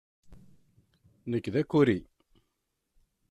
Nekk d akuri.